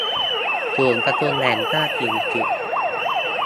ศูนย์ประชุมแห่งชาติสิริกิติ์